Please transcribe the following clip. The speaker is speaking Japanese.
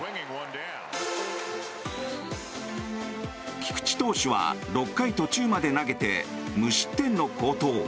菊池投手は６回途中まで投げて無失点の好投。